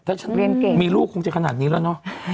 ถ้าฉันมีลูกคงจะขนาดนี้แล้วนะ